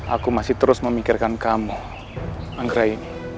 aku masih terus memikirkan kamu anggrai